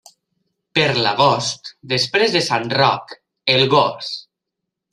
Per l'agost, després de Sant Roc, el gos.